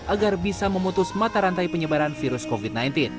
agar bisa memutus mata rantai penyebaran virus covid sembilan belas